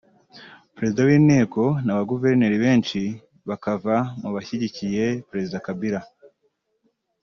Perezida w’inteko na ba Guverineri benshi bakava mu bashyigikiye Perezida Kabila